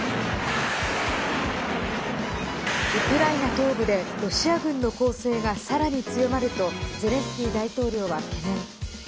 ウクライナ東部でロシア軍の攻勢がさらに強まるとゼレンスキー大統領は懸念。